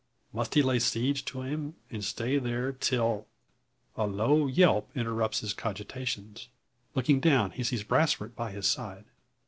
Must he lay siege to him, and stay there till A low yelp interrupts his cogitations. Looking down he sees Brasfort by his side.